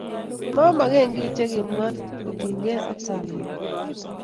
Mamaken kiy che kimwa kotinykey ak sobennyu